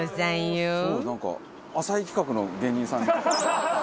すごいなんか浅井企画の芸人さんみたい。